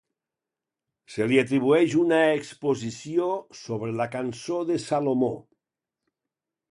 Se li atribueix una exposició sobre la cançó de Salomó.